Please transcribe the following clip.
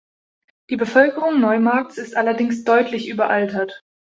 Die Bevölkerung Neumarkts ist allerdings deutlich überaltert.